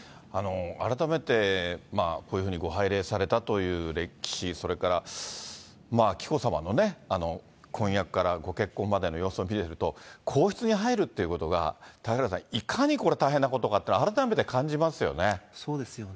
改めて、こういうふうにご拝礼されたという歴史、それから紀子さまの婚約からご結婚までの様子を見てると、皇室に入るっていうことが、嵩原さん、いかに大変なことかって、改めて感じますよね。